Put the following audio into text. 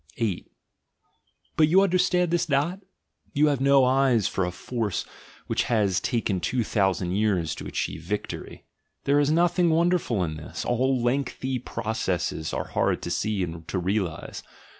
8. But you understand this not? You have no eyes for a force which has taken two thousand years to achieve victory? — There is nothing wonderful in this: all lengthy processes are hard to see and to realise.